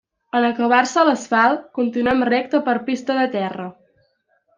En acabar-se l'asfalt, continuem recte per pista de terra.